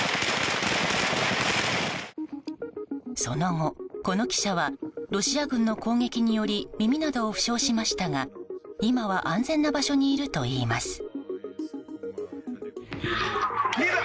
その後、この記者はロシア軍の攻撃により耳などを負傷しましたが、今は安全な場所にいるといいます。